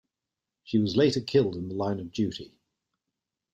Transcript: She was later killed in the line of duty.